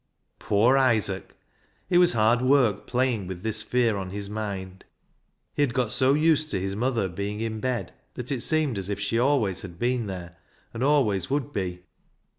Poor Isaac ! It was hard work playing with this fear on his mind. He had got so used to his mother being in bed, that it seemed as if she always had been there, and always would be.